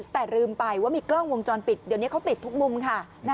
แต่ลืมไปว่ามีกล้องวงจรปิดเดี๋ยวนี้เขาติดทุกมุมค่ะ